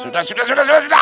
sudah sudah sudah sudah